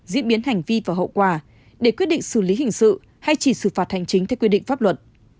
diễn biến hành vi và hậu quả để quyết định xử lý hình sự hay chỉ xử phạt hành chính theo quy định pháp luật